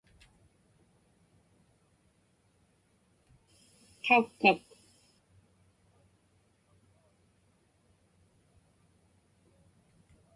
qaukkak